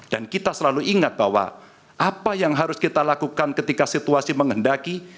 dan kita selalu ingat bahwa apa yang harus kita lakukan ketika situasi menghendaki